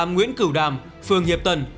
nguyễn cửu đàm phường hiệp tân